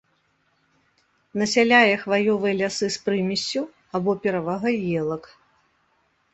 Насяляе хваёвыя лясы з прымессю або перавагай елак.